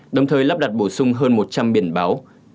đồng thời lắp đặt bổ sung hơn một trăm linh biển báo